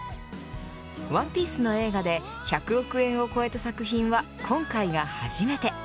ＯＮＥＰＩＥＣＥの映画で１００億円を超えた作品は今回が初めて。